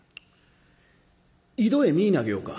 井戸へ身ぃ投げようか。